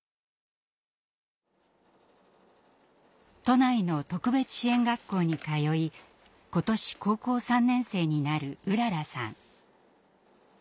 都内の特別支援学校に通い今年高校３年生になるうららさん。